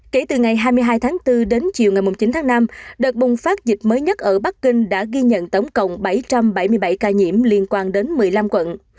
kể từ ngày hai mươi hai tháng bốn đến chiều ngày chín tháng năm đợt bùng phát dịch mới nhất ở bắc kinh đã ghi nhận tổng cộng bảy trăm bảy mươi bảy ca nhiễm liên quan đến một mươi năm quận